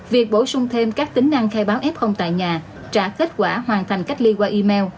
việc bổ sung thêm các tính năng khai báo f tại nhà trả kết quả hoàn thành cách ly qua email